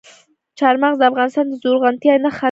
چار مغز د افغانستان د زرغونتیا نښه ده.